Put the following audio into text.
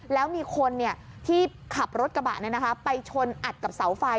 แล้วมีคนที่ขับรถกระบะไปชนอัดกับเสาไฟ